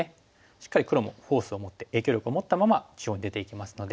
しっかり黒もフォースを持って影響力を持ったまま中央に出ていけますので。